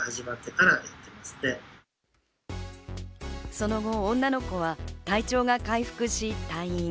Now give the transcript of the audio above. その後、女の子は体調が回復し退院。